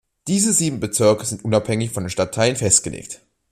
Diese sieben Bezirke sind unabhängig von den Stadtteilen festgelegt.